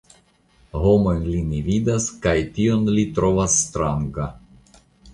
Homojn li ne vidas, kaj tion li trovas stranga.